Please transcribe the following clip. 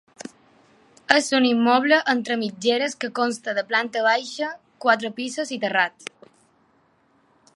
És un immoble entre mitgeres que consta de planta baixa, quatre pisos i terrat.